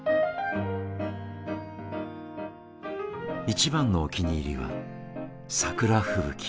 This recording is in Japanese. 一番のお気に入りは桜吹雪。